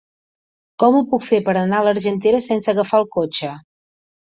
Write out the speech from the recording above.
Com ho puc fer per anar a l'Argentera sense agafar el cotxe?